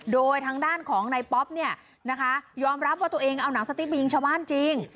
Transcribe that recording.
โดยทางด้านของนายป๊อปเนี่ยนะคะยอมรับว่าตัวเองเอาหนังสติ๊กไปยิงชาวบ้านจริง